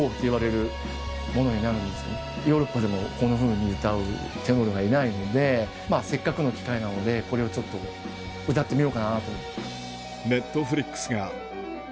ヨーロッパでもこんなふうに歌うテノールがいないのでせっかくの機会なのでこれをちょっと歌ってみようかなと。